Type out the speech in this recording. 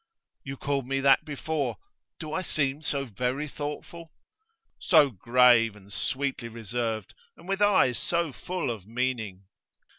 'You called me that before. Do I seem so very thoughtful?' 'So grave, and sweetly reserved, and with eyes so full of meaning.